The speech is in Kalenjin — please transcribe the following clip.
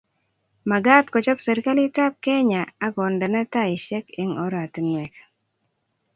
magaat kochop serikalitab Kenya ago ndeno taishek eng oratinwek